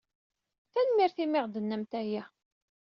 Tanemmirt i mi ɣ-d-tennamt aya.